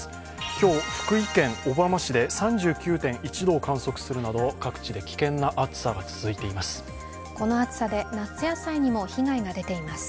今日、福井県小浜市で３９．１度を観測するなど、各地で危険な暑さが続いています。